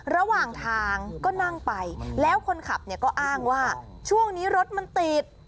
ระหว่างทางก็นั่งไปแล้วคนขับเนี่ยก็อ้างว่าช่วงนี้รถมันติด